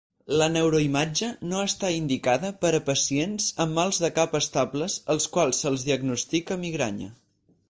La neuroimatge no està indicada per a pacients amb mals de cap estables als quals se'ls diagnostica migranya.